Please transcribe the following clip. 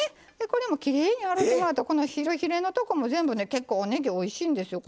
これもきれいに洗うてもらうとこのヒラヒラのとこも全部ね結構おねぎおいしいんですよ。